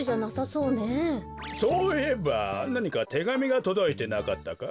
そういえばなにかてがみがとどいてなかったか？